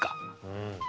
うん。